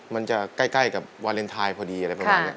มันจะใกล้กับวาเลนไทยพอดีอะไรประมาณนี้